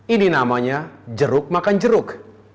ini namanya jeruk makan jeruk